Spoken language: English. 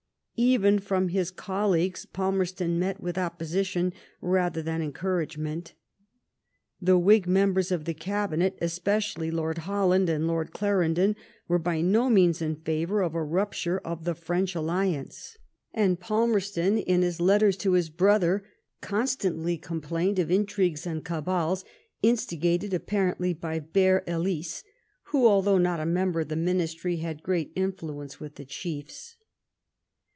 Even from his col leagues Palmerston met with opposition rather than encouragement. The Whig members of the Cabinet, especially Lord Holland and Lord Clarendon, were by no means in favour of a rupture of the French alliance, and Palmerston, in his letters to his brother, constantly complained of '' intrigues and cabals," instigated appa rently by "Bear'^ Ellice, who, although not a member of the Ministry, had great influence with the chiefs.